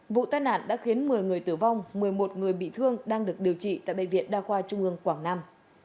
vụ tai nạn đã khiến một mươi người tử vong một mươi một người bị thương đang được điều trị tại bệnh viện đa khoa trung ương quảng nam